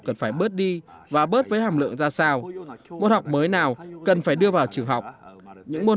cần phải bớt đi và bớt với hàm lượng ra sao môn học mới nào cần phải đưa vào trường học những môn